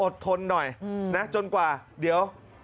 ทนหน่อยนะจนกว่าเดี๋ยว